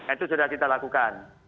itu sudah kita lakukan